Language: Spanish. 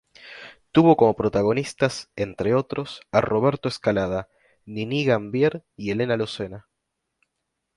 Tuvo como protagonistas, entre otros, a Roberto Escalada, Niní Gambier y Elena Lucena.